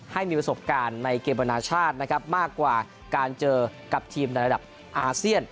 ให้มีประสบการณ์ในเกมอนาชาตินะครับมากกว่าการเจอกับทีมในระดับอาเซียน